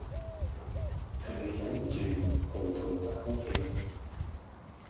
佢忍唔住嚎啕大哭起嚟